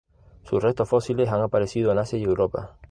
Sus restos fósiles han aparecido en Asia y Europa.